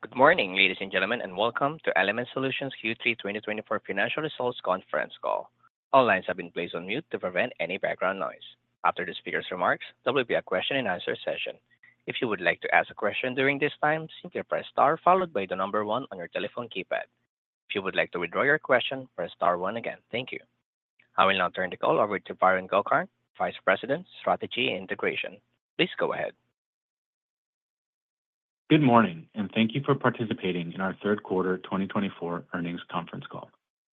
Good morning, ladies and gentlemen, and welcome to Element Solutions Q3 2024 Financial Results Conference Call. All lines have been placed on mute to prevent any background noise. After the speaker's remarks, there will be a question-and-answer session. If you would like to ask a question during this time, simply press star followed by the number one on your telephone keypad. If you would like to withdraw your question, press star one again. Thank you. I will now turn the call over to Varun Gokarn, Vice President, Strategy and Integration. Please go ahead. Good morning, and thank you for participating in our third quarter 2024 earnings conference call.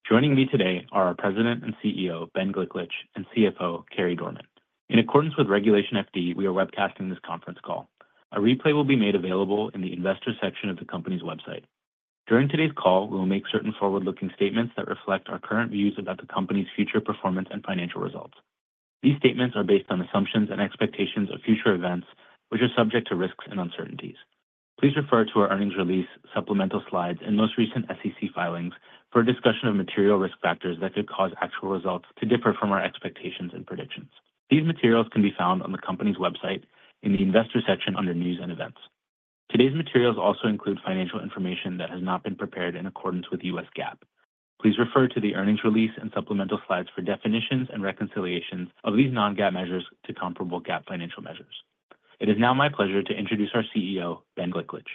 Joining me today are our President and CEO, Ben Gliklich, and CFO, Carey Dorman. In accordance with Regulation FD, we are webcasting this conference call. A replay will be made available in the investor section of the company's website. During today's call, we will make certain forward-looking statements that reflect our current views about the company's future performance and financial results. These statements are based on assumptions and expectations of future events, which are subject to risks and uncertainties. Please refer to our earnings release, supplemental slides, and most recent SEC filings for a discussion of material risk factors that could cause actual results to differ from our expectations and predictions. These materials can be found on the company's website in the investor section under news and events. Today's materials also include financial information that has not been prepared in accordance with U.S. GAAP. Please refer to the earnings release and supplemental slides for definitions and reconciliations of these non-GAAP measures to comparable GAAP financial measures. It is now my pleasure to introduce our CEO, Ben Gliklich.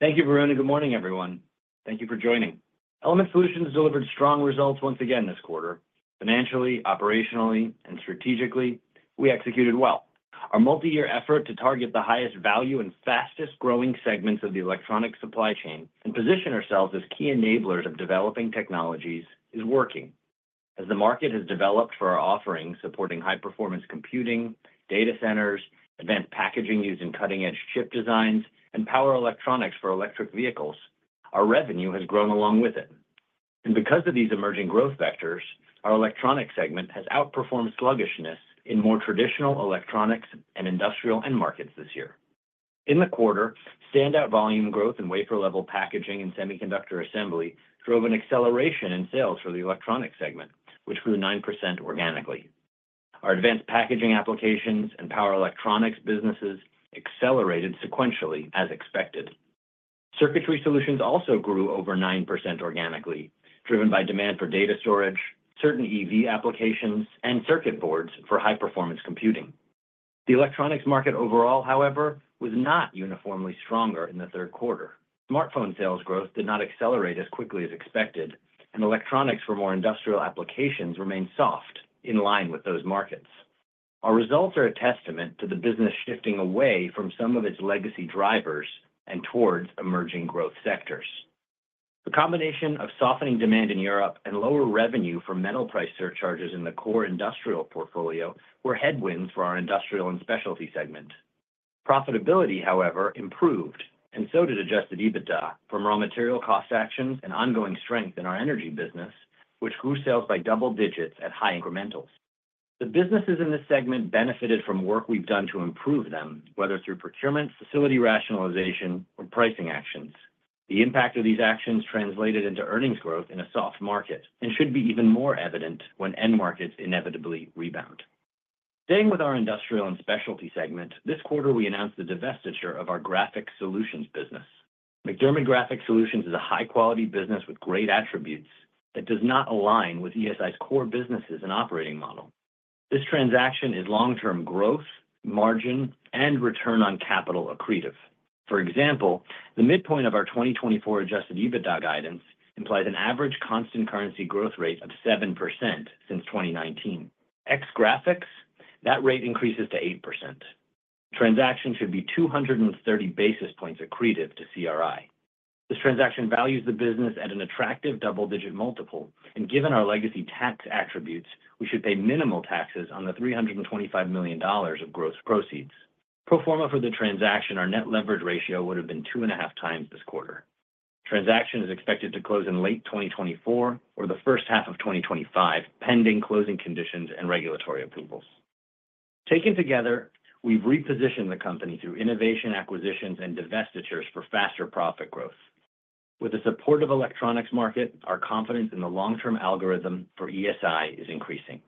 Thank you, Varun, and good morning, everyone. Thank you for joining. Element Solutions delivered strong results once again this quarter. Financially, operationally, and strategically, we executed well. Our multi-year effort to target the highest value and fastest-growing segments of the electronic supply chain and position ourselves as key enablers of developing technologies is working. As the market has developed for our offering supporting high-performance computing, data centers, advanced packaging used in cutting-edge chip designs, and power electronics for electric vehicles, our revenue has grown along with it, and because of these emerging growth vectors, our electronics segment has outperformed sluggishness in more traditional electronics and industrial end markets this year. In the quarter, standout volume growth in wafer-level packaging and semiconductor assembly drove an acceleration in sales for the electronics segment, which grew 9% organically. Our advanced packaging applications and power electronics businesses accelerated sequentially, as expected. Circuitry Solutions also grew over 9% organically, driven by demand for data storage, certain EV applications, and circuit boards for high-performance computing. The electronics market overall, however, was not uniformly stronger in the third quarter. Smartphone sales growth did not accelerate as quickly as expected, and electronics for more industrial applications remained soft, in line with those markets. Our results are a testament to the business shifting away from some of its legacy drivers and towards emerging growth sectors. The combination of softening demand in Europe and lower revenue for metal price surcharges in the core industrial portfolio were headwinds for our industrial and specialty segment. Profitability, however, improved, and so did Adjusted EBITDA from raw material cost actions and ongoing strength in our energy business, which grew sales by double digits at high incrementals. The businesses in this segment benefited from work we've done to improve them, whether through procurement, facility rationalization, or pricing actions. The impact of these actions translated into earnings growth in a soft market and should be even more evident when end markets inevitably rebound. Staying with our industrial and specialty segment, this quarter we announced the divestiture of our graphic solutions business. MacDermid Graphics Solutions is a high-quality business with great attributes that does not align with ESI's core businesses and operating model. This transaction is long-term growth, margin, and return on capital accretive. For example, the midpoint of our 2024 Adjusted EBITDA guidance implies an average constant currency growth rate of 7% since 2019. Ex-Graphics, that rate increases to 8%. Transaction should be 230 basis points accretive to Adjusted EBITDA margin. This transaction values the business at an attractive double-digit multiple, and given our legacy tax attributes, we should pay minimal taxes on the $325 million of gross proceeds. Pro forma for the transaction, our net leverage ratio would have been two and a half times this quarter. Transaction is expected to close in late 2024 or the first half of 2025, pending closing conditions and regulatory approvals. Taken together, we've repositioned the company through innovation, acquisitions, and divestitures for faster profit growth. With the support of the electronics market, our confidence in the long-term algorithm for ESI is increasing.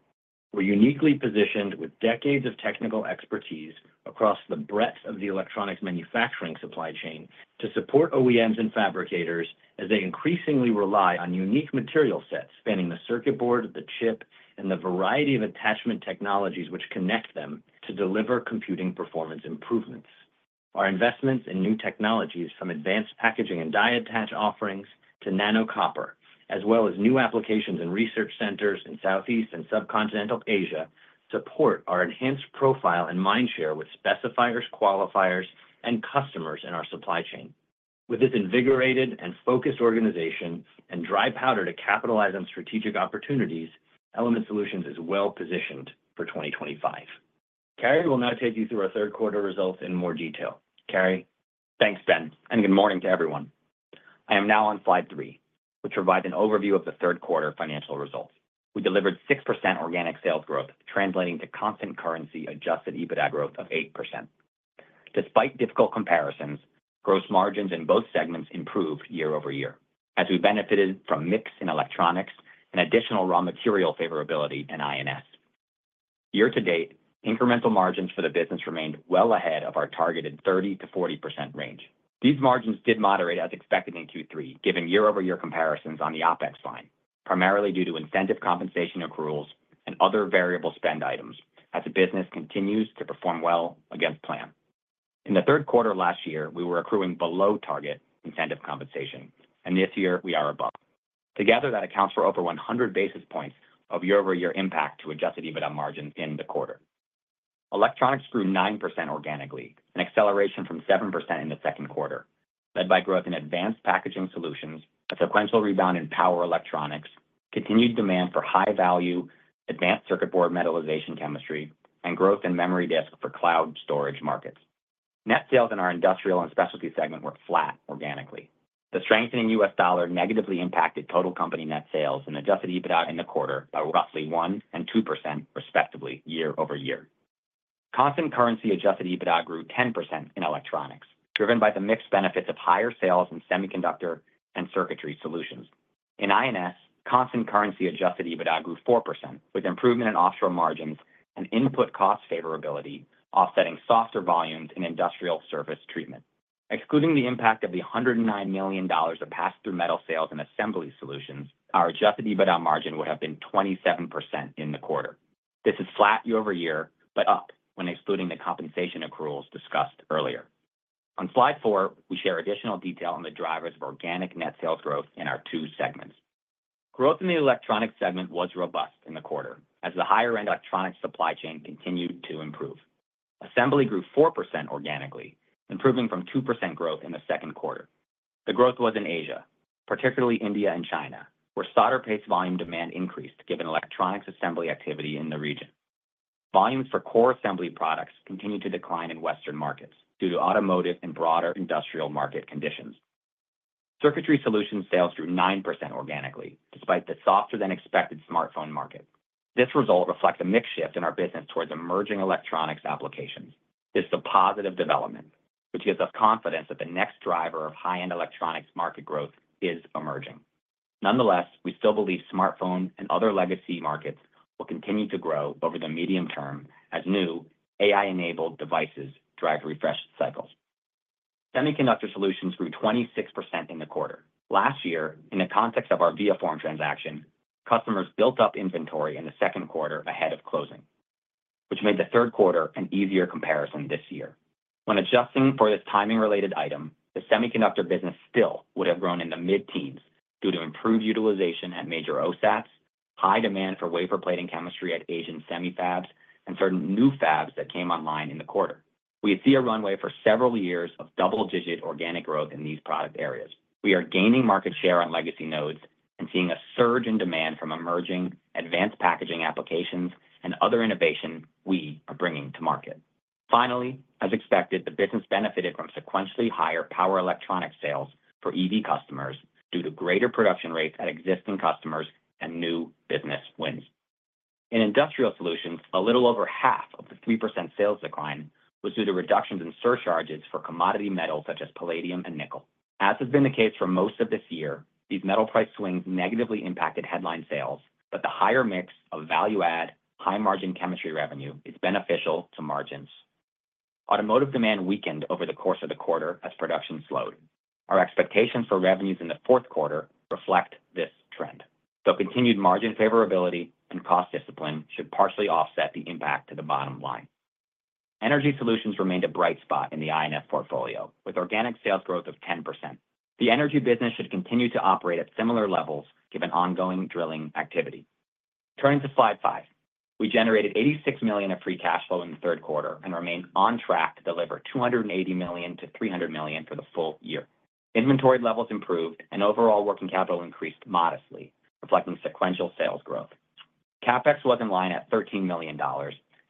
We're uniquely positioned with decades of technical expertise across the breadth of the electronics manufacturing supply chain to support OEMs and fabricators as they increasingly rely on unique material sets spanning the circuit board, the chip, and the variety of attachment technologies which connect them to deliver computing performance improvements. Our investments in new technologies, from advanced packaging and die attach offerings to nano copper, as well as new applications in research centers in Southeast and subcontinental Asia, support our enhanced profile and mind share with specifiers, qualifiers, and customers in our supply chain. With this invigorated and focused organization and dry powder to capitalize on strategic opportunities, Element Solutions is well positioned for 2025. Carey will now take you through our third quarter results in more detail. Carey. Thanks, Ben, and good morning to everyone. I am now on slide three, which provides an overview of the third quarter financial results. We delivered 6% organic sales growth, translating to constant currency Adjusted EBITDA growth of 8%. Despite difficult comparisons, gross margins in both segments improved year over year, as we benefited from mix in electronics and additional raw material favorability in I&S. Year to date, incremental margins for the business remained well ahead of our targeted 30%-40% range. These margins did moderate as expected in Q3, given year-over-year comparisons on the OpEx line, primarily due to incentive compensation accruals and other variable spend items, as the business continues to perform well against plan. In the third quarter last year, we were accruing below target incentive compensation, and this year we are above. Together, that accounts for over 100 basis points of year-over-year impact to adjusted EBITDA margins in the quarter. Electronics grew 9% organically, an acceleration from 7% in the second quarter, led by growth in advanced packaging solutions, a sequential rebound in power electronics, continued demand for high-value advanced circuit board metallization chemistry, and growth in memory disk for cloud storage markets. Net sales in our industrial and specialty segment were flat organically. The strengthening U.S. dollar negatively impacted total company net sales and adjusted EBITDA in the quarter by roughly 1% and 2%, respectively, year-over-year. Constant currency adjusted EBITDA grew 10% in electronics, driven by the mixed benefits of higher sales in semiconductor and circuitry solutions. In I&S, constant currency adjusted EBITDA grew 4%, with improvement in offshore margins and input cost favorability offsetting softer volumes in industrial surface treatment. Excluding the impact of the $109 million of pass-through metal sales and assembly solutions, our Adjusted EBITDA margin would have been 27% in the quarter. This is flat year over year, but up when excluding the compensation accruals discussed earlier. On slide four, we share additional detail on the drivers of organic net sales growth in our two segments. Growth in the electronics segment was robust in the quarter, as the higher-end electronics supply chain continued to improve. Assembly grew 4% organically, improving from 2% growth in the second quarter. The growth was in Asia, particularly India and China, where solder paste volume demand increased given electronics assembly activity in the region. Volumes for core assembly products continued to decline in Western markets due to automotive and broader industrial market conditions. Circuitry Solutions sales grew 9% organically, despite the softer-than-expected smartphone market. This result reflects a mixed shift in our business towards emerging electronics applications. This is a positive development, which gives us confidence that the next driver of high-end electronics market growth is emerging. Nonetheless, we still believe smartphone and other legacy markets will continue to grow over the medium term as new AI-enabled devices drive refresh cycles. Semiconductor Solutions grew 26% in the quarter. Last year, in the context of our ViaForm transaction, customers built up inventory in the second quarter ahead of closing, which made the third quarter an easier comparison this year. When adjusting for this timing-related item, the semiconductor business still would have grown in the mid-teens due to improved utilization at major OSATs, high demand for wafer-plating chemistry at Asian SemiFabs, and certain new fabs that came online in the quarter. We see a runway for several years of double-digit organic growth in these product areas. We are gaining market share on legacy nodes and seeing a surge in demand from emerging advanced packaging applications and other innovation we are bringing to market. Finally, as expected, the business benefited from sequentially higher power electronics sales for EV customers due to greater production rates at existing customers and new business wins. In industrial solutions, a little over half of the 3% sales decline was due to reductions in surcharges for commodity metals such as palladium and nickel. As has been the case for most of this year, these metal price swings negatively impacted headline sales, but the higher mix of value-add, high-margin chemistry revenue is beneficial to margins. Automotive demand weakened over the course of the quarter as production slowed. Our expectations for revenues in the fourth quarter reflect this trend. Though continued margin favorability and cost discipline should partially offset the impact to the bottom line. Energy Solutions remained a bright spot in the INS portfolio, with organic sales growth of 10%. The energy business should continue to operate at similar levels given ongoing drilling activity. Turning to slide five, we generated $86 million of free cash flow in the third quarter and remained on track to deliver $280 million to $300 million for the full year. Inventory levels improved, and overall working capital increased modestly, reflecting sequential sales growth. CapEx was in line at $13 million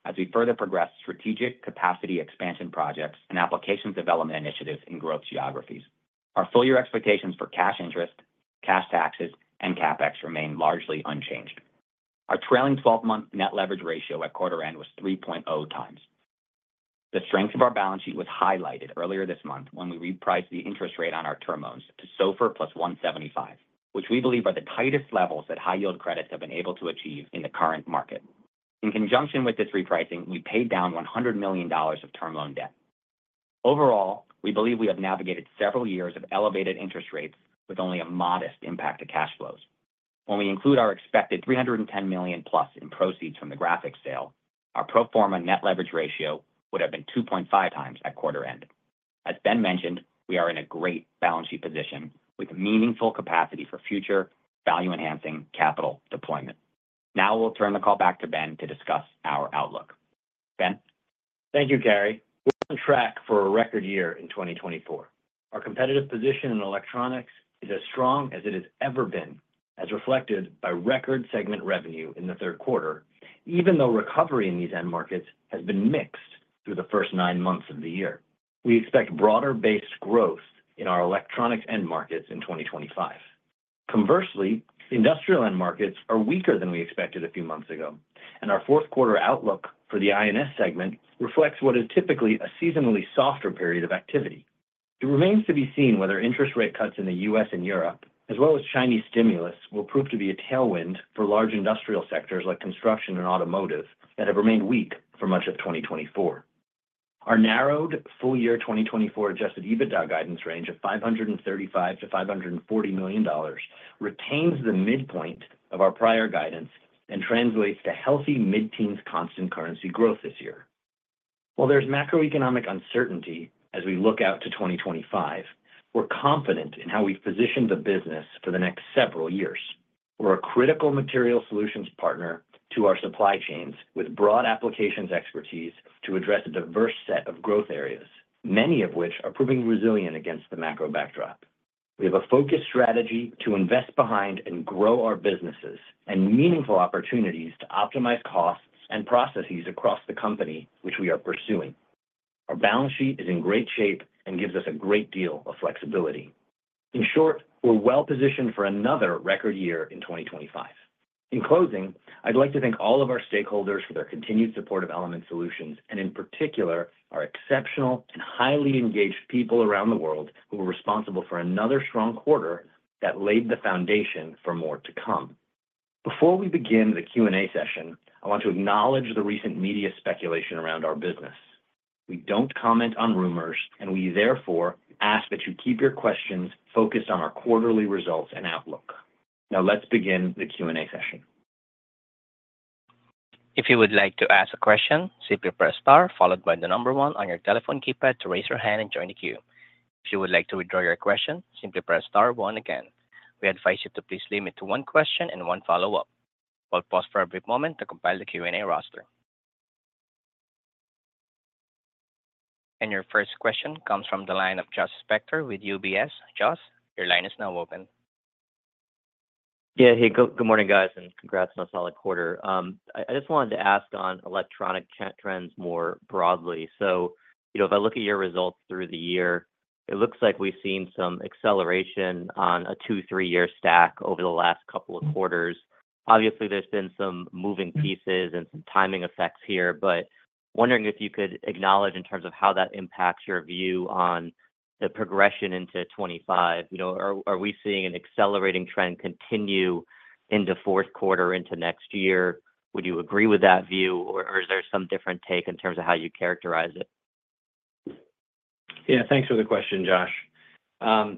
as we further progressed strategic capacity expansion projects and application development initiatives in growth geographies. Our full-year expectations for cash interest, cash taxes, and CapEx remain largely unchanged. Our trailing 12-month net leverage ratio at quarter-end was 3.0 times. The strength of our balance sheet was highlighted earlier this month when we repriced the interest rate on our term loans to SOFR plus 175, which we believe are the tightest levels that high-yield credits have been able to achieve in the current market. In conjunction with this repricing, we paid down $100 million of term loan debt. Overall, we believe we have navigated several years of elevated interest rates with only a modest impact to cash flows. When we include our expected $310 million plus in proceeds from the graphics sale, our pro forma net leverage ratio would have been 2.5 times at quarter-end. As Ben mentioned, we are in a great balance sheet position with meaningful capacity for future value-enhancing capital deployment. Now we'll turn the call back to Ben to discuss our outlook. Ben. Thank you, Carey. We're on track for a record year in 2024. Our competitive position in electronics is as strong as it has ever been, as reflected by record segment revenue in the third quarter, even though recovery in these end markets has been mixed through the first nine months of the year. We expect broader-based growth in our electronics end markets in 2025. Conversely, industrial end markets are weaker than we expected a few months ago, and our fourth quarter outlook for the INS segment reflects what is typically a seasonally softer period of activity. It remains to be seen whether interest rate cuts in the U.S. and Europe, as well as Chinese stimulus, will prove to be a tailwind for large industrial sectors like construction and automotive that have remained weak for much of 2024. Our narrowed full-year 2024 Adjusted EBITDA guidance range of $535-$540 million retains the midpoint of our prior guidance and translates to healthy mid-teens constant currency growth this year. While there's macroeconomic uncertainty as we look out to 2025, we're confident in how we've positioned the business for the next several years. We're a critical material solutions partner to our supply chains with broad applications expertise to address a diverse set of growth areas, many of which are proving resilient against the macro backdrop. We have a focused strategy to invest behind and grow our businesses and meaningful opportunities to optimize costs and processes across the company, which we are pursuing. Our balance sheet is in great shape and gives us a great deal of flexibility. In short, we're well positioned for another record year in 2025. In closing, I'd like to thank all of our stakeholders for their continued support of Element Solutions and, in particular, our exceptional and highly engaged people around the world who were responsible for another strong quarter that laid the foundation for more to come. Before we begin the Q&A session, I want to acknowledge the recent media speculation around our business. We don't comment on rumors, and we therefore ask that you keep your questions focused on our quarterly results and outlook. Now let's begin the Q&A session. If you would like to ask a question, simply press star followed by the number one on your telephone keypad to raise your hand and join the queue. If you would like to withdraw your question, simply press star one again. We advise you to please limit to one question and one follow-up. We'll pause for a brief moment to compile the Q&A roster. And your first question comes from the line of Josh Spector with UBS. Josh, your line is now open. Yeah, hey, good morning, guys, and congrats on a solid quarter. I just wanted to ask on electronic trends more broadly. So if I look at your results through the year, it looks like we've seen some acceleration on a two to three-year stack over the last couple of quarters. Obviously, there's been some moving pieces and some timing effects here, but wondering if you could acknowledge in terms of how that impacts your view on the progression into 2025. Are we seeing an accelerating trend continue into fourth quarter into next year? Would you agree with that view, or is there some different take in terms of how you characterize it? Yeah, thanks for the question, Josh.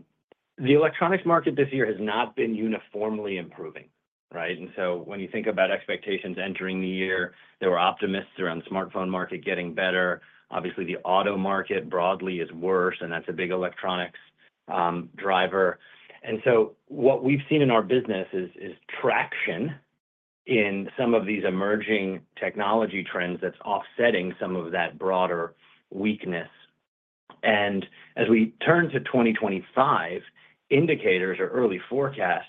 The electronics market this year has not been uniformly improving, right? And so when you think about expectations entering the year, there were optimists around the smartphone market getting better. Obviously, the auto market broadly is worse, and that's a big electronics driver. And so what we've seen in our business is traction in some of these emerging technology trends that's offsetting some of that broader weakness. And as we turn to 2025, indicators or early forecasts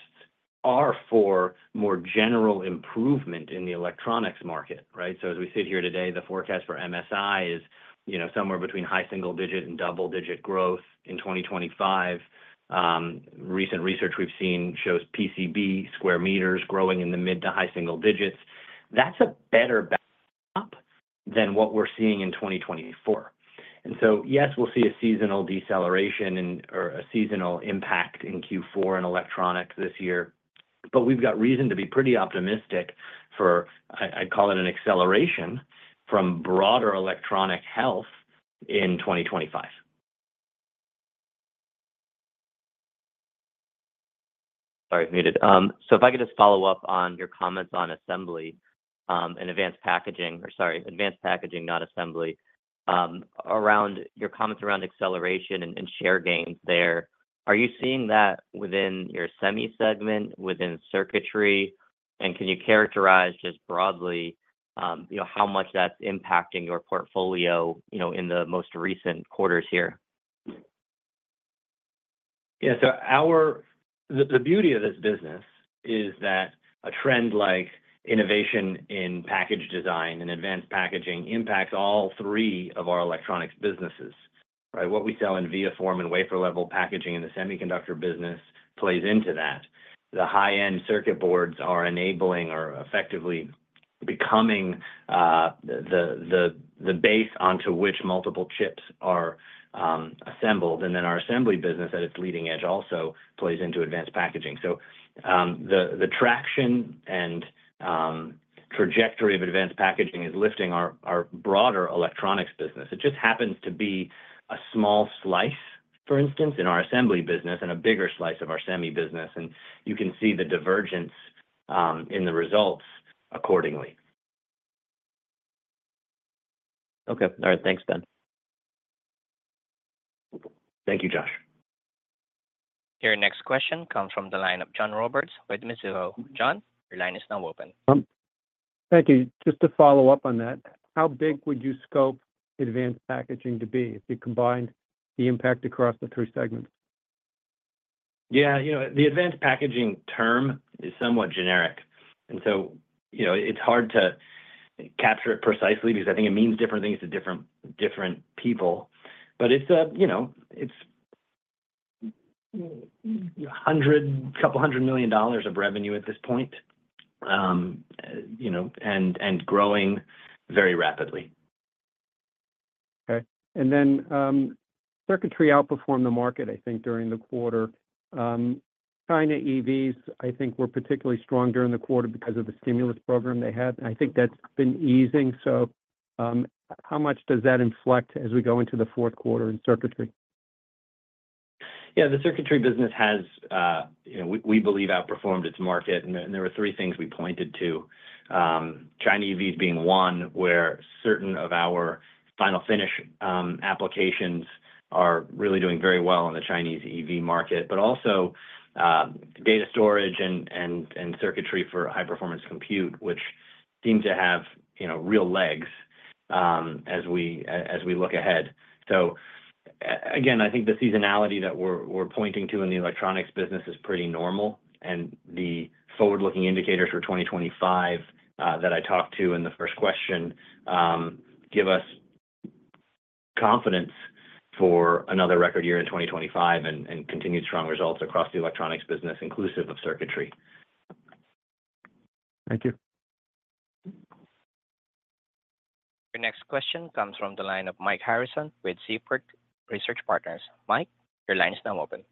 are for more general improvement in the electronics market, right? So as we sit here today, the forecast for MSI is somewhere between high single-digit and double-digit growth in 2025. Recent research we've seen shows PCB square meters growing in the mid to high single digits. That's a better backdrop than what we're seeing in 2024. And so, yes, we'll see a seasonal deceleration or a seasonal impact in Q4 in electronics this year, but we've got reason to be pretty optimistic for, I'd call it, an acceleration from broader electronics health in 2025. Sorry, I've muted. So if I could just follow up on your comments on assembly and advanced packaging, or sorry, advanced packaging, not assembly, around your comments around acceleration and share gains there. Are you seeing that within your semi segment, within circuitry, and can you characterize just broadly how much that's impacting your portfolio in the most recent quarters here? Yeah, so the beauty of this business is that a trend like innovation in package design and advanced packaging impacts all three of our electronics businesses, right? What we sell in ViaForm and wafer-level packaging in the semiconductor business plays into that. The high-end circuit boards are enabling or effectively becoming the base onto which multiple chips are assembled, and then our assembly business at its leading edge also plays into advanced packaging. So the traction and trajectory of advanced packaging is lifting our broader electronics business. It just happens to be a small slice, for instance, in our assembly business and a bigger slice of our semi business, and you can see the divergence in the results accordingly. Okay. All right. Thanks, Ben. Thank you, Josh. Your next question comes from the line of John Roberts with Mizuho. John, your line is now open. Thank you. Just to follow up on that, how big would you scope advanced packaging to be if you combined the impact across the three segments? Yeah, the advanced packaging term is somewhat generic, and so it's hard to capture it precisely because I think it means different things to different people, but it's $200 million of revenue at this point and growing very rapidly. Okay. And then circuitry outperformed the market, I think, during the quarter. China EVs, I think, were particularly strong during the quarter because of the stimulus program they had, and I think that's been easing. So how much does that inflect as we go into the fourth quarter in circuitry? Yeah, the circuitry business has, we believe, outperformed its market, and there were three things we pointed to. China EVs being one where certain of our final finish applications are really doing very well in the Chinese EV market, but also data storage and circuitry for high-performance compute, which seem to have real legs as we look ahead. So again, I think the seasonality that we're pointing to in the electronics business is pretty normal, and the forward-looking indicators for 2025 that I talked to in the first question give us confidence for another record year in 2025 and continued strong results across the electronics business, inclusive of circuitry. Thank you. Your next question comes from the line of Mike Harrison with Seaport Research Partners. Mike, your line is now open.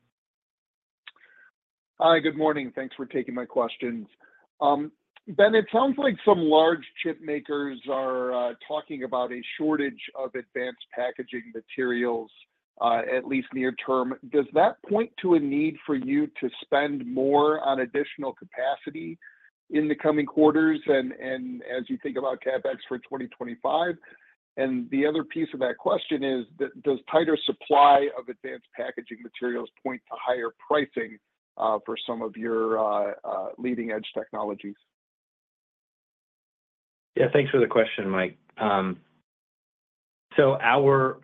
Hi, good morning. Thanks for taking my questions. Ben, it sounds like some large chip makers are talking about a shortage of advanced packaging materials, at least near-term. Does that point to a need for you to spend more on additional capacity in the coming quarters and as you think about CapEx for 2025? And the other piece of that question is, does tighter supply of advanced packaging materials point to higher pricing for some of your leading-edge technologies? Yeah, thanks for the question, Mike. So our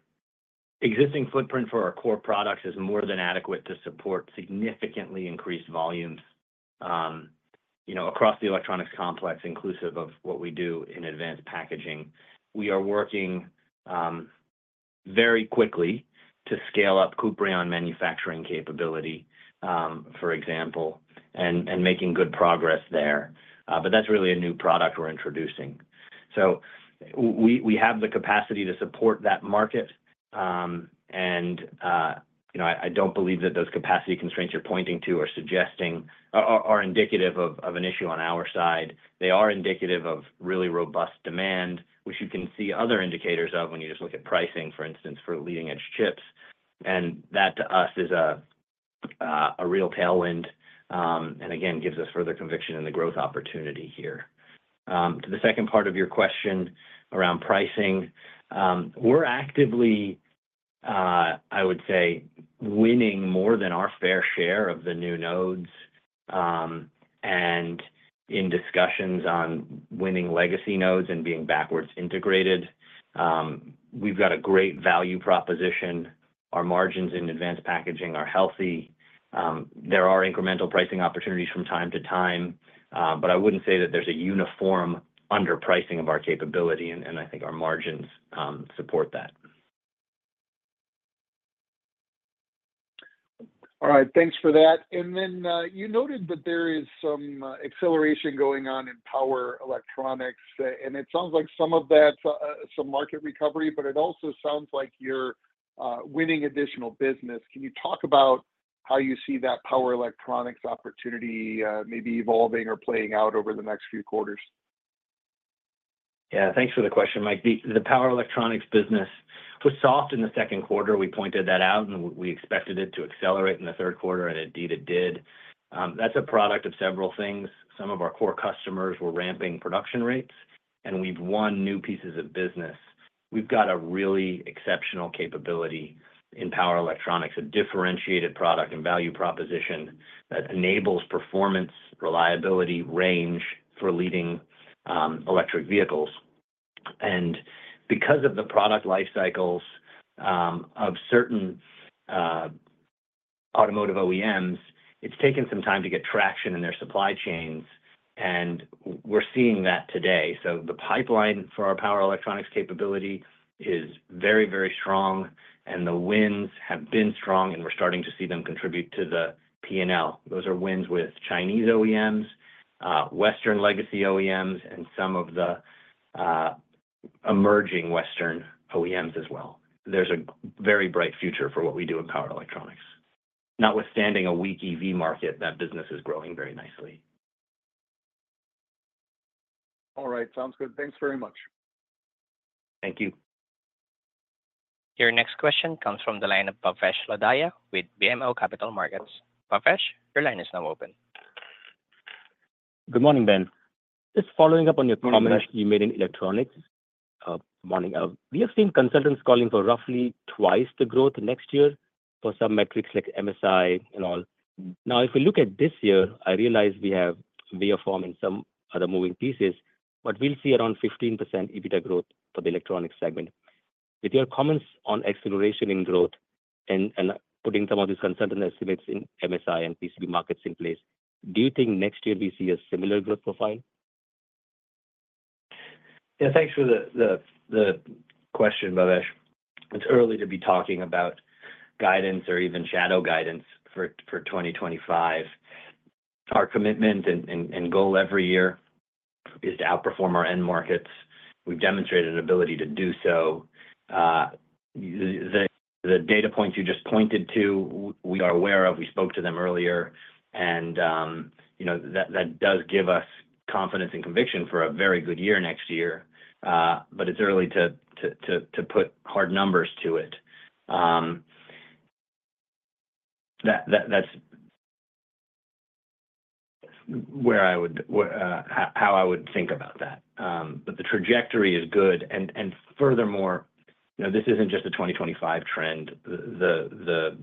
existing footprint for our core products is more than adequate to support significantly increased volumes across the electronics complex, inclusive of what we do in advanced packaging. We are working very quickly to scale up Kuprion manufacturing capability, for example, and making good progress there, but that's really a new product we're introducing. So we have the capacity to support that market, and I don't believe that those capacity constraints you're pointing to are indicative of an issue on our side. They are indicative of really robust demand, which you can see other indicators of when you just look at pricing, for instance, for leading-edge chips, and that to us is a real tailwind and, again, gives us further conviction in the growth opportunity here. To the second part of your question around pricing, we're actively, I would say, winning more than our fair share of the new nodes, and in discussions on winning legacy nodes and being backwards integrated, we've got a great value proposition. Our margins in advanced packaging are healthy. There are incremental pricing opportunities from time to time, but I wouldn't say that there's a uniform underpricing of our capability, and I think our margins support that. All right. Thanks for that. And then you noted that there is some acceleration going on in power electronics, and it sounds like some of that's market recovery, but it also sounds like you're winning additional business. Can you talk about how you see that power electronics opportunity maybe evolving or playing out over the next few quarters? Yeah, thanks for the question, Mike. The power electronics business was soft in the second quarter. We pointed that out, and we expected it to accelerate in the third quarter, and indeed it did. That's a product of several things. Some of our core customers were ramping production rates, and we've won new pieces of business. We've got a really exceptional capability in power electronics, a differentiated product and value proposition that enables performance, reliability, range for leading electric vehicles. And because of the product life cycles of certain automotive OEMs, it's taken some time to get traction in their supply chains, and we're seeing that today. So the pipeline for our power electronics capability is very, very strong, and the wins have been strong, and we're starting to see them contribute to the P&L. Those are wins with Chinese OEMs, Western legacy OEMs, and some of the emerging Western OEMs as well. There's a very bright future for what we do in power electronics. Notwithstanding a weak EV market, that business is growing very nicely. All right. Sounds good. Thanks very much. Thank you. Your next question comes from the line of Bhavesh Lodaya with BMO Capital Markets. Bhavesh, your line is now open. Good morning, Ben. Just following up on your comments you made in electronics this morning, we have seen consultants calling for roughly twice the growth next year for some metrics like MSI and all. Now, if we look at this year, I realize we have ViaForm and some other moving pieces, but we'll see around 15% EBITDA growth for the electronics segment. With your comments on acceleration in growth and putting some of these consultant estimates in MSI and PCB markets in place, do you think next year we see a similar growth profile? Yeah, thanks for the question, Bhavesh. It's early to be talking about guidance or even shadow guidance for 2025. Our commitment and goal every year is to outperform our end markets. We've demonstrated an ability to do so. The data points you just pointed to, we are aware of. We spoke to them earlier, and that does give us confidence and conviction for a very good year next year, but it's early to put hard numbers to it. That's where I would think about that. But the trajectory is good, and furthermore, this isn't just a 2025 trend. The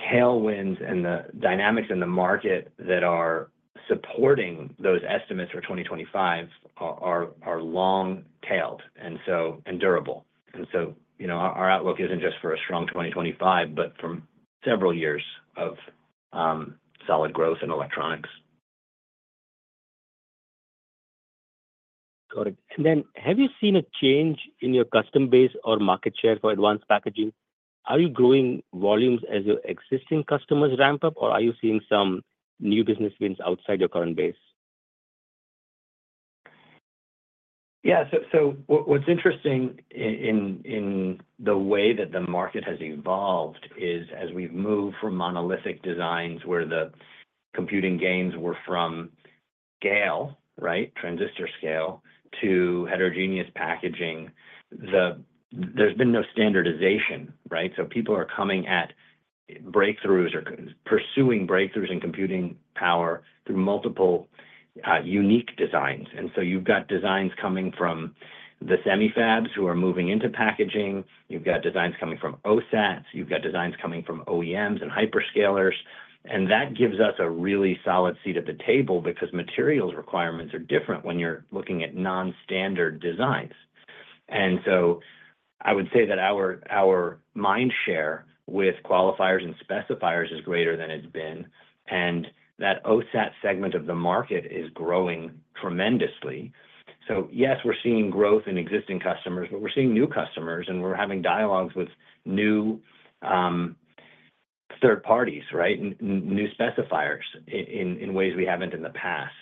tailwinds and the dynamics in the market that are supporting those estimates for 2025 are long-tailed and durable. And so our outlook isn't just for a strong 2025, but for several years of solid growth in electronics. Got it. Then, have you seen a change in your customer base or market share for advanced packaging? Are you growing volumes as your existing customers ramp up, or are you seeing some new business wins outside your current base? Yeah, so what's interesting in the way that the market has evolved is, as we've moved from monolithic designs where the computing gains were from scale, right, transistor scale, to heterogeneous packaging, there's been no standardization, right? So people are coming at breakthroughs or pursuing breakthroughs in computing power through multiple unique designs. And so you've got designs coming from the semi-fabs who are moving into packaging. You've got designs coming from OSATs. You've got designs coming from OEMs and hyperscalers. And that gives us a really solid seat at the table because materials requirements are different when you're looking at non-standard designs. And so I would say that our mind share with qualifiers and specifiers is greater than it's been, and that OSAT segment of the market is growing tremendously. Yes, we're seeing growth in existing customers, but we're seeing new customers, and we're having dialogues with new third parties, right, new specifiers in ways we haven't in the past.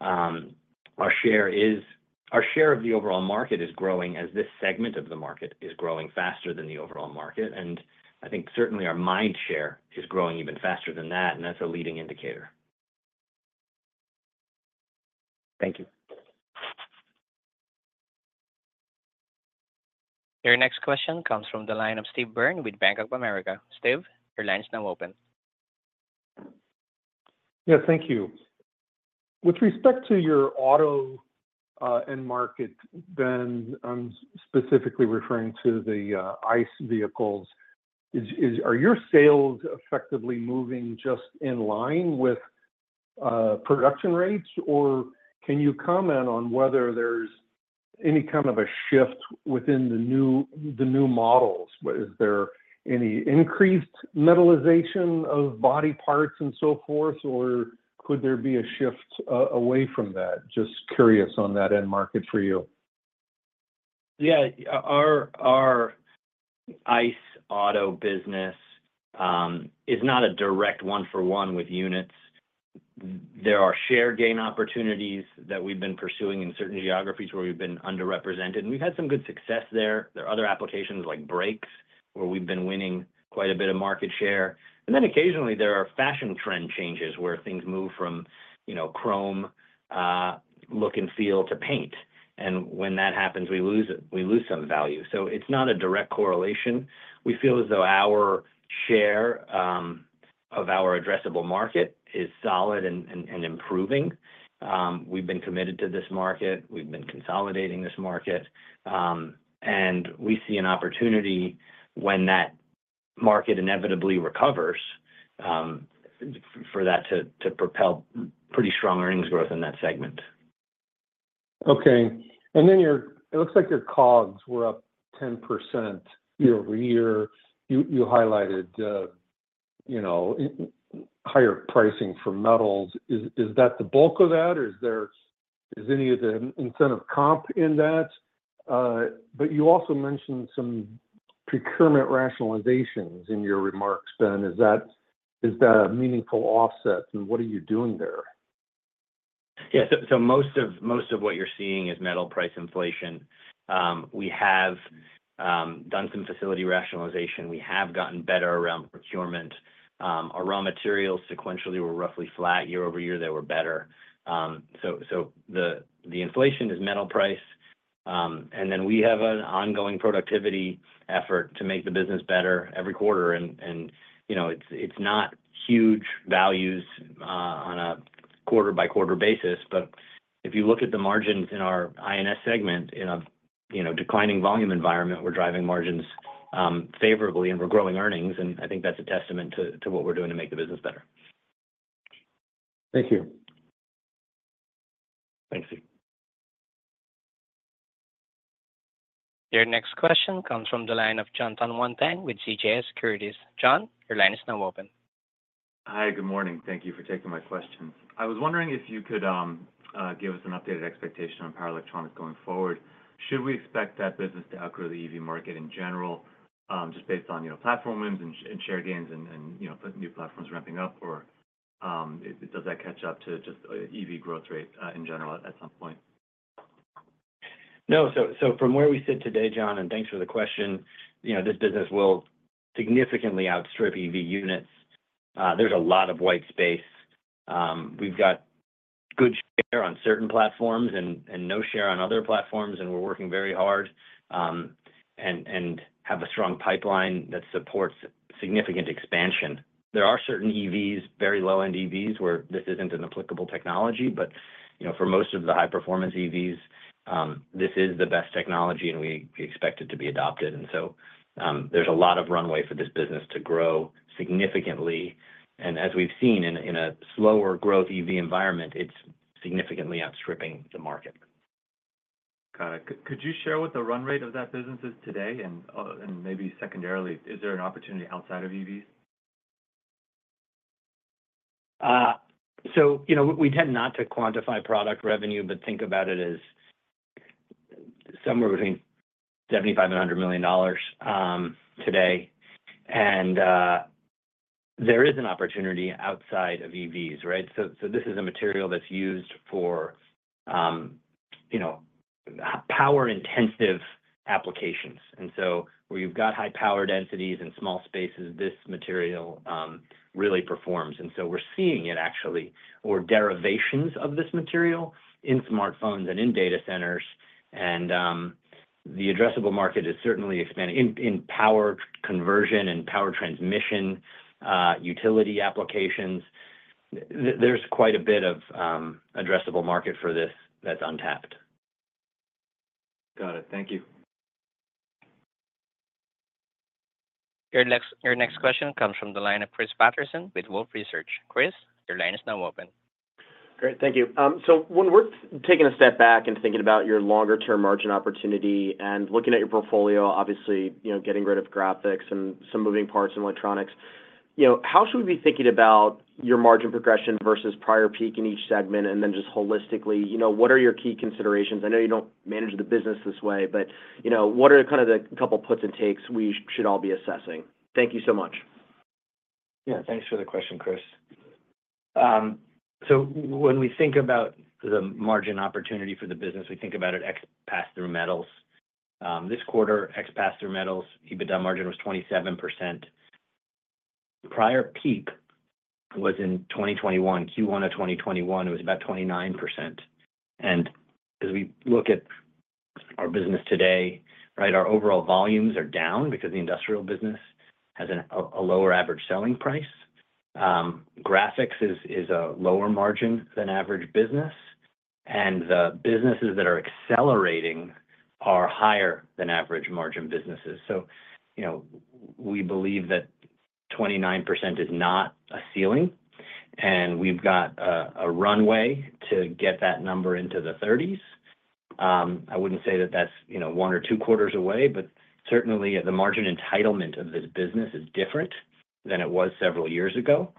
Our share of the overall market is growing as this segment of the market is growing faster than the overall market, and I think certainly our mind share is growing even faster than that, and that's a leading indicator. Thank you. Your next question comes from the line of Steve Byrne with Bank of America. Steve, your line is now open. Yeah, thank you. With respect to your auto end market, Ben, I'm specifically referring to the ICE vehicles. Are your sales effectively moving just in line with production rates, or can you comment on whether there's any kind of a shift within the new models? Is there any increased metallization of body parts and so forth, or could there be a shift away from that? Just curious on that end market for you. Yeah, our ICE auto business is not a direct one-for-one with units. There are share gain opportunities that we've been pursuing in certain geographies where we've been underrepresented, and we've had some good success there. There are other applications like brakes where we've been winning quite a bit of market share. And then occasionally, there are fashion trend changes where things move from chrome look and feel to paint, and when that happens, we lose some value. So it's not a direct correlation. We feel as though our share of our addressable market is solid and improving. We've been committed to this market. We've been consolidating this market, and we see an opportunity when that market inevitably recovers for that to propel pretty strong earnings growth in that segment. Okay. And then it looks like your COGS were up 10% year over year. You highlighted higher pricing for metals. Is that the bulk of that, or is there any of the incentive comp in that? But you also mentioned some procurement rationalizations in your remarks, Ben. Is that a meaningful offset, and what are you doing there? Yeah, so most of what you're seeing is metal price inflation. We have done some facility rationalization. We have gotten better around procurement. Our raw materials sequentially were roughly flat year over year. They were better. So the inflation is metal price, and then we have an ongoing productivity effort to make the business better every quarter, and it's not huge values on a quarter-by-quarter basis. But if you look at the margins in our INS segment, in a declining volume environment, we're driving margins favorably, and we're growing earnings, and I think that's a testament to what we're doing to make the business better. Thank you. Thanks, Steve. Your next question comes from the line of Jon Tanwanteng with CJS Securities. Jon, your line is now open. Hi, good morning. Thank you for taking my question. I was wondering if you could give us an updated expectation on power electronics going forward. Should we expect that business to outgrow the EV market in general, just based on platform wins and share gains and new platforms ramping up, or does that catch up to just EV growth rate in general at some point? No. So from where we sit today, John, and thanks for the question, this business will significantly outstrip EV units. There's a lot of white space. We've got good share on certain platforms and no share on other platforms, and we're working very hard and have a strong pipeline that supports significant expansion. There are certain EVs, very low-end EVs, where this isn't an applicable technology, but for most of the high-performance EVs, this is the best technology, and we expect it to be adopted. And so there's a lot of runway for this business to grow significantly. And as we've seen in a slower growth EV environment, it's significantly outstripping the market. Got it. Could you share what the run rate of that business is today? And maybe secondarily, is there an opportunity outside of EVs? So we tend not to quantify product revenue, but think about it as somewhere between $75 and $100 million today. And there is an opportunity outside of EVs, right? So this is a material that's used for power-intensive applications. And so where you've got high power densities in small spaces, this material really performs. And so we're seeing it actually, or derivations of this material in smartphones and in data centers. And the addressable market is certainly expanding in power conversion and power transmission utility applications. There's quite a bit of addressable market for this that's untapped. Got it. Thank you. Your next question comes from the line of Chris Parkinson with Wolfe Research. Chris, your line is now open. Great. Thank you. So when we're taking a step back and thinking about your longer-term margin opportunity and looking at your portfolio, obviously getting rid of graphics and some moving parts in electronics, how should we be thinking about your margin progression versus prior peak in each segment? And then just holistically, what are your key considerations? I know you don't manage the business this way, but what are kind of the couple of puts and takes we should all be assessing? Thank you so much. Yeah, thanks for the question, Chris. So when we think about the margin opportunity for the business, we think about it ex pass-through metals. This quarter, ex pass-through metals, EBITDA margin was 27%. Prior peak was in 2021, Q1 of 2021, it was about 29%. And as we look at our business today, right, our overall volumes are down because the industrial business has a lower average selling price. Graphics is a lower margin than average business, and the businesses that are accelerating are higher than average margin businesses. So we believe that 29% is not a ceiling, and we've got a runway to get that number into the 30s. I wouldn't say that that's one or two quarters away, but certainly the margin entitlement of this business is different than it was several years ago.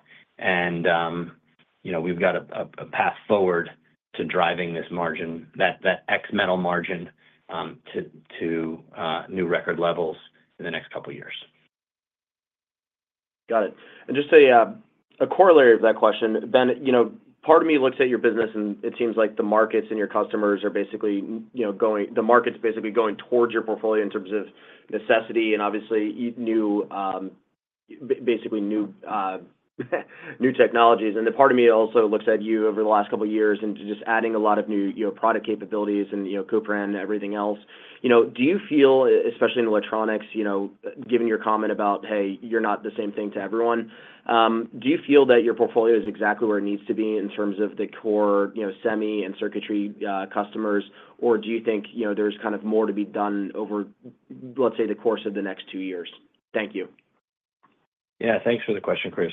We've got a path forward to driving this margin, that ex-metal margin, to new record levels in the next couple of years. Got it. And just a corollary of that question, Ben, part of me looks at your business, and it seems like the market's basically going towards your portfolio in terms of necessity and obviously basically new technologies. And then part of me also looks at you over the last couple of years and just adding a lot of new product capabilities and Kuprion and everything else. Do you feel, especially in electronics, given your comment about, "Hey, you're not the same thing to everyone," do you feel that your portfolio is exactly where it needs to be in terms of the core semi and circuitry customers, or do you think there's kind of more to be done over, let's say, the course of the next two years? Thank you. Yeah, thanks for the question, Chris.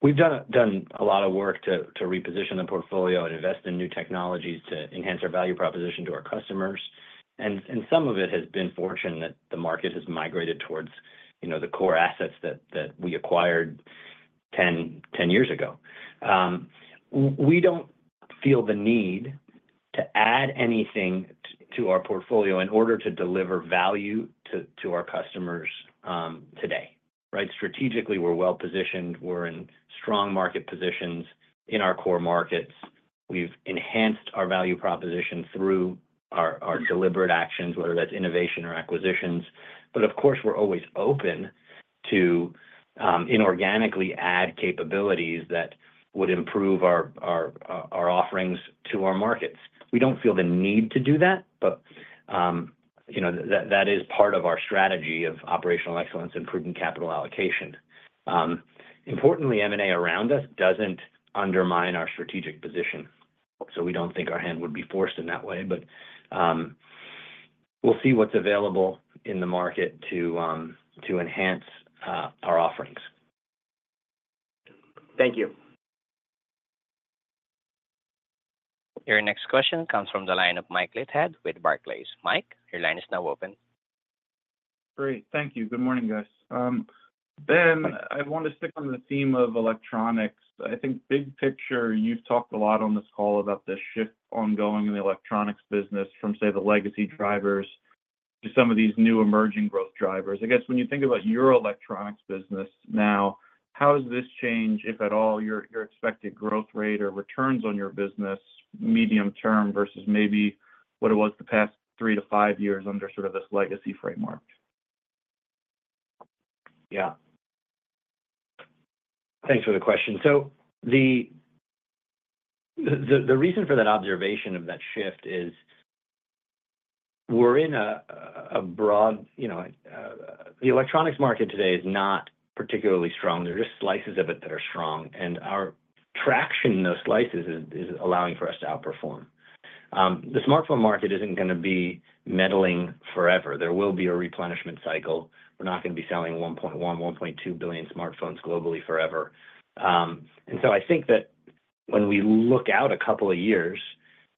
We've done a lot of work to reposition the portfolio and invest in new technologies to enhance our value proposition to our customers. And some of it has been fortunate that the market has migrated towards the core assets that we acquired 10 years ago. We don't feel the need to add anything to our portfolio in order to deliver value to our customers today, right? Strategically, we're well positioned. We're in strong market positions in our core markets. We've enhanced our value proposition through our deliberate actions, whether that's innovation or acquisitions. But of course, we're always open to inorganically add capabilities that would improve our offerings to our markets. We don't feel the need to do that, but that is part of our strategy of operational excellence and prudent capital allocation. Importantly, M&A around us doesn't undermine our strategic position, so we don't think our hand would be forced in that way. But we'll see what's available in the market to enhance our offerings. Thank you. Your next question comes from the line of Mike Leithead with Barclays. Mike, your line is now open. Great. Thank you. Good morning, guys. Ben, I want to stick on the theme of electronics. I think big picture, you've talked a lot on this call about the shift ongoing in the electronics business from, say, the legacy drivers to some of these new emerging growth drivers. I guess when you think about your electronics business now, how has this changed, if at all, your expected growth rate or returns on your business medium term versus maybe what it was the past three to five years under sort of this legacy framework? Yeah. Thanks for the question. So the reason for that observation of that shift is we're in a broader electronics market today, [which] is not particularly strong. There are just slices of it that are strong, and our traction in those slices is allowing for us to outperform. The smartphone market isn't going to be muddling forever. There will be a replenishment cycle. We're not going to be selling 1.1-1.2 billion smartphones globally forever. And so I think that when we look out a couple of years,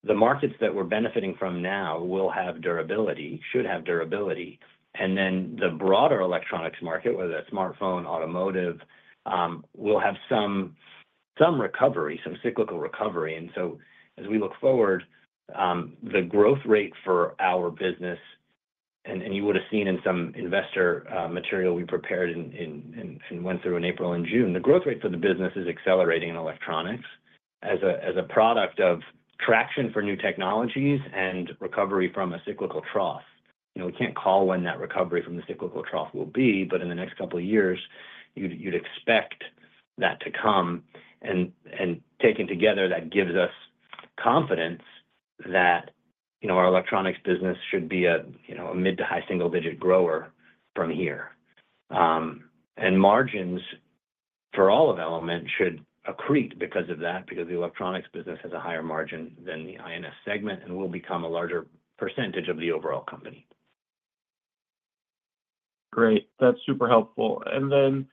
the markets that we're benefiting from now will have durability, should have durability. And then the broader electronics market, whether that's smartphone, automotive, will have some recovery, some cyclical recovery. And so as we look forward, the growth rate for our business, and you would have seen in some investor material we prepared and went through in April and June, the growth rate for the business is accelerating in electronics as a product of traction for new technologies and recovery from a cyclical trough. We can't call when that recovery from the cyclical trough will be, but in the next couple of years, you'd expect that to come. And taken together, that gives us confidence that our electronics business should be a mid to high single-digit grower from here. And margins for all of Element should accrete because of that, because the electronics business has a higher margin than the INS segment and will become a larger percentage of the overall company. Great. That's super helpful. And then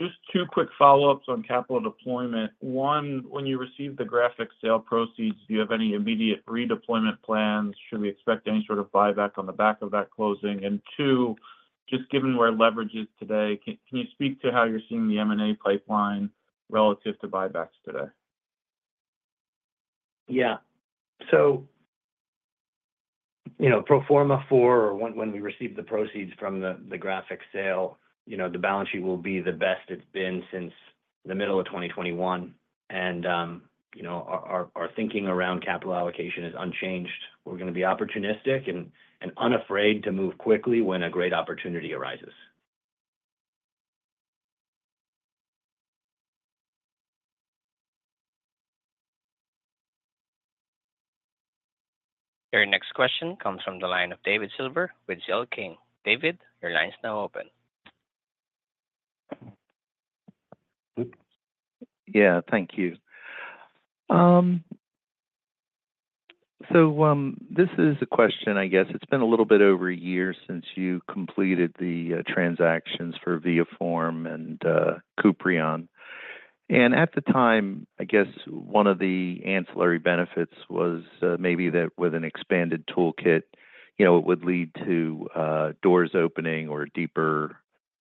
just two quick follow-ups on capital deployment. One, when you receive the graphics sale proceeds, do you have any immediate redeployment plans? Should we expect any sort of buyback on the back of that closing? And two, just given where leverage is today, can you speak to how you're seeing the M&A pipeline relative to buybacks today? Yeah. So pro forma for when we receive the proceeds from the graphics sale, the balance sheet will be the best it's been since the middle of 2021. And our thinking around capital allocation is unchanged. We're going to be opportunistic and unafraid to move quickly when a great opportunity arises. Your next question comes from the line of David Silver with C.L. King. David, your line is now open. Yeah. Thank you. So this is a question, I guess. It's been a little bit over a year since you completed the transactions for ViaForm and Kuprion. And at the time, I guess one of the ancillary benefits was maybe that with an expanded toolkit, it would lead to doors opening or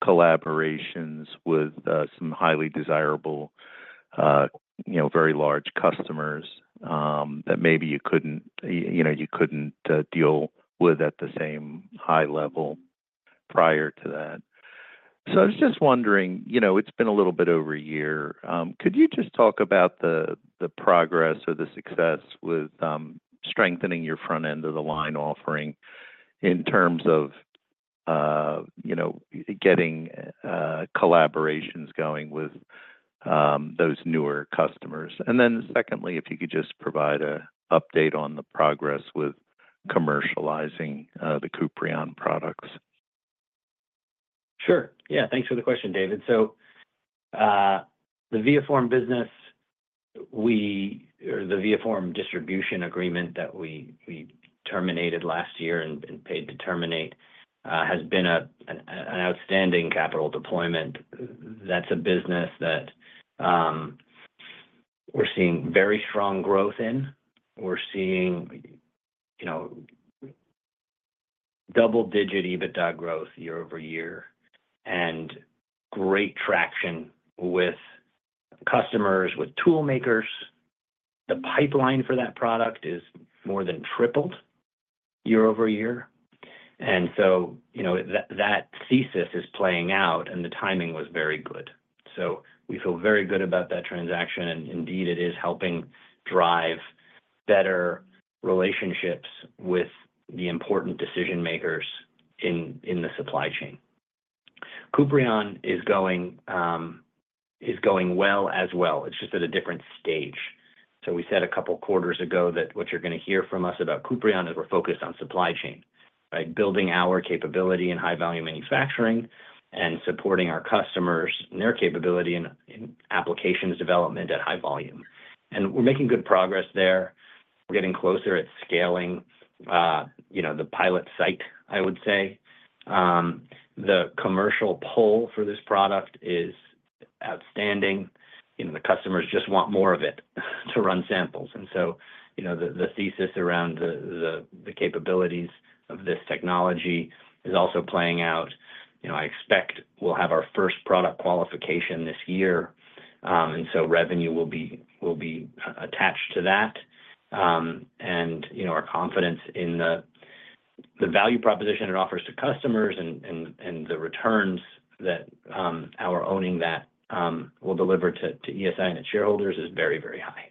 deeper collaborations with some highly desirable, very large customers that maybe you couldn't deal with at the same high level prior to that. So I was just wondering, it's been a little bit over a year. Could you just talk about the progress or the success with strengthening your front-end of the line offering in terms of getting collaborations going with those newer customers? And then secondly, if you could just provide an update on the progress with commercializing the Kuprion products? Sure. Yeah. Thanks for the question, David. So the ViaForm business, or the ViaForm distribution agreement that we terminated last year and paid to terminate, has been an outstanding capital deployment. That's a business that we're seeing very strong growth in. We're seeing double-digit EBITDA growth year over year and great traction with customers, with toolmakers. The pipeline for that product is more than tripled year over year. And so that thesis is playing out, and the timing was very good. So we feel very good about that transaction, and indeed, it is helping drive better relationships with the important decision-makers in the supply chain. Kuprion is going well as well. It's just at a different stage. So we said a couple of quarters ago that what you're going to hear from us about Kuprion is we're focused on supply chain, right? Building our capability in high-volume manufacturing and supporting our customers and their capability in applications development at high volume. And we're making good progress there. We're getting closer at scaling the pilot site, I would say. The commercial pull for this product is outstanding. The customers just want more of it to run samples. And so the thesis around the capabilities of this technology is also playing out. I expect we'll have our first product qualification this year, and so revenue will be attached to that. And our confidence in the value proposition it offers to customers and the returns that our owning that will deliver to ESI and its shareholders is very, very high.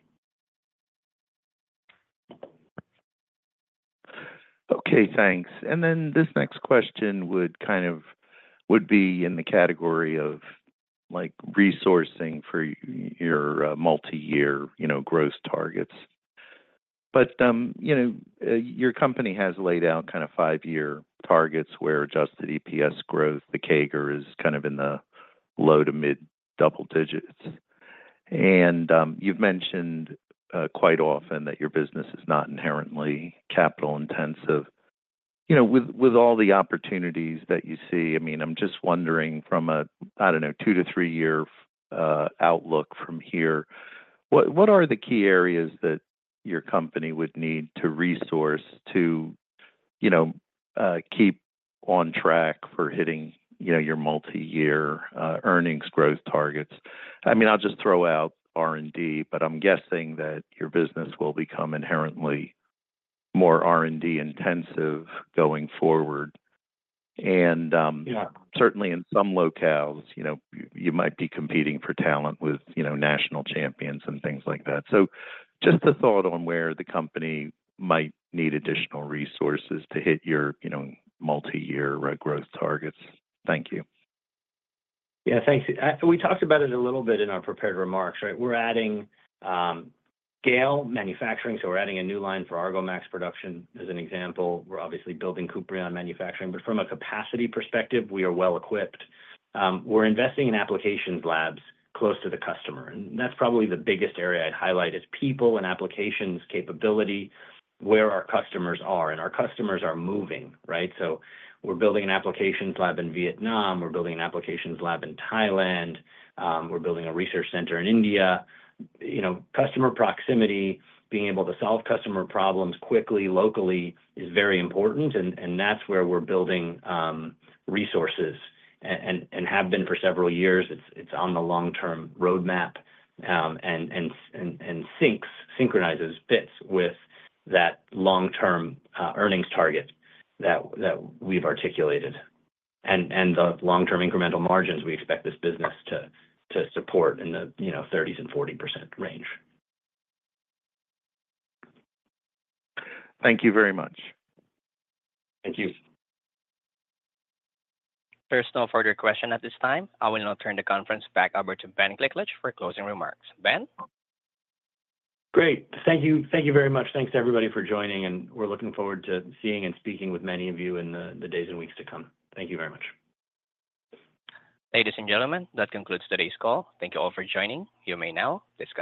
Okay. Thanks. And then this next question would kind of be in the category of resourcing for your multi-year growth targets. But your company has laid out kind of five-year targets where adjusted EPS growth, the CAGR, is kind of in the low to mid double digits. And you've mentioned quite often that your business is not inherently capital-intensive. With all the opportunities that you see, I mean, I'm just wondering from a, I don't know, two to three-year outlook from here, what are the key areas that your company would need to resource to keep on track for hitting your multi-year earnings growth targets? I mean, I'll just throw out R&D, but I'm guessing that your business will become inherently more R&D-intensive going forward. And certainly, in some locales, you might be competing for talent with national champions and things like that. So just a thought on where the company might need additional resources to hit your multi-year growth targets. Thank you. Yeah. Thanks. We talked about it a little bit in our prepared remarks, right? We're adding scale manufacturing, so we're adding a new line for Argomax production as an example. We're obviously building Kuprion Manufacturing. But from a capacity perspective, we are well equipped. We're investing in applications labs close to the customer. And that's probably the biggest area I'd highlight is people and applications capability, where our customers are. And our customers are moving, right? So we're building an applications lab in Vietnam. We're building an applications lab in Thailand. We're building a research center in India. Customer proximity, being able to solve customer problems quickly, locally, is very important. And that's where we're building resources and have been for several years. It's on the long-term roadmap and synchronizes, fits with that long-term earnings target that we've articulated. The long-term incremental margins we expect this business to support in the 30% and 40% range. Thank you very much. Thank you. There's no further question at this time. I will now turn the conference back over to Ben Gliklich for closing remarks. Ben? Great. Thank you. Thank you very much. Thanks to everybody for joining, and we're looking forward to seeing and speaking with many of you in the days and weeks to come. Thank you very much. Ladies and gentlemen, that concludes today's call. Thank you all for joining. You may now disconnect.